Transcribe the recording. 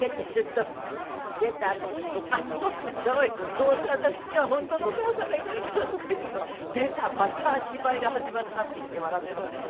「どうせ私には本当のお母さんがいないから」とか言うと「出たまた芝居が始まった」って言って笑ってましたね。